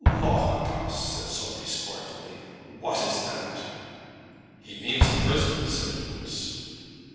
"Lock up ouse!" said Sophie, scornfully. "What is dat?" "He means a prison," said Doodles.